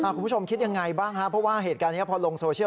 คุณผู้ชมคิดยังไงบ้างเพราะว่าเหตุการณ์นี้